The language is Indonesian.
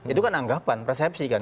itu kan anggapan persepsi kan